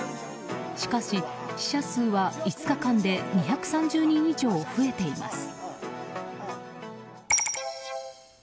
しかし死者数は５日間で２３０人以上増えています。